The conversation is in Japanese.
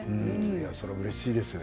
それはうれしいですよ